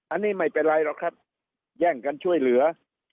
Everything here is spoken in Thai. อันนี้ไม่เป็นไรหรอกครับแย่งกันช่วยเหลือ